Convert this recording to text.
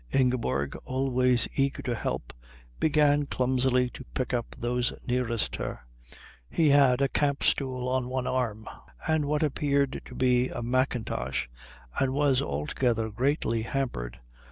Ingeborg, always eager to help, began clumsily to pick up those nearest her. He had a camp stool on one arm, and what appeared to be a mackintosh, and was altogether greatly hampered.